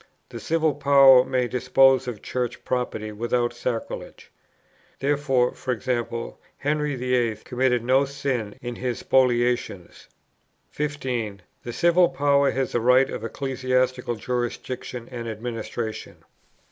The Civil Power may dispose of Church property without sacrilege. Therefore, e.g. Henry VIII. committed no sin in his spoliations. 15. The Civil Power has the right of ecclesiastical jurisdiction and administration.